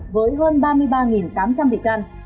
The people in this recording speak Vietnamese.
với hơn ba mươi ba tám trăm linh bị can